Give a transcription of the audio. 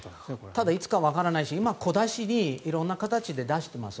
ただいつかわからないし今、小出しで色んな形で出してます。